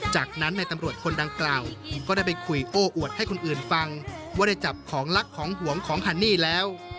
จากนั้นในตำรวจคนดังกล่าวก็ได้ไปคุยโอ้อวดให้คนอื่นฟังว่าได้จับของลักของหวงของฮันนี่แล้ว